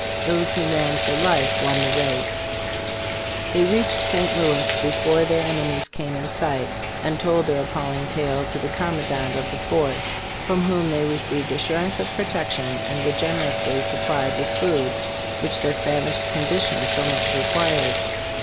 Those who ran for life won the race. They reached St. Louis be fore their enemies came in sight, and told their appalling tale to the com mandant of the fort, from whom they received assurances of protection, and were generously supplied with food, which their famished condition so much required.